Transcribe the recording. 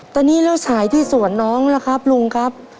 แต่นี่เรื่องสายที่สวนน้องนะครับลุงครับ